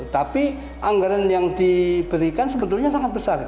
tapi anggaran yang diberikan sebetulnya sangat besar